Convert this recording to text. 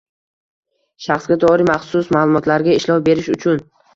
Shaxsga doir maxsus ma’lumotlarga ishlov berish uchun